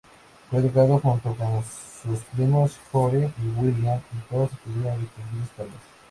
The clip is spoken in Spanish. Fue educado junto con sus primos Gore y William, y todos obtuvieron distinguidas carreras.